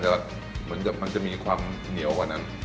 ถ้ามูหย่อคนภายมันจะมีความเนียวกว่านั้น